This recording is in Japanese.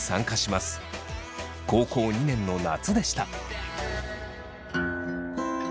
高校２年の夏でした。